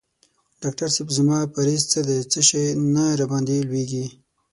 ډاکټر صېب زما پریز څه دی څه شی نه راباندي لویږي؟